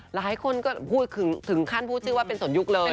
หลายคนก็พูดถึงขั้นพูดชื่อว่าเป็นสนยุคเลย